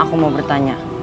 aku mau bertanya